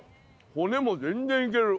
骨も全然いける。